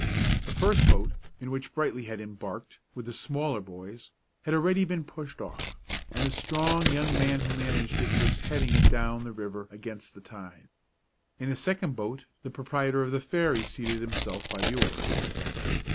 The first boat, in which Brightly had embarked, with the smaller boys, had already been pushed off, and the strong young man who managed it was heading it down the river against the tide. In the second boat the proprietor of the ferry seated himself at the oars.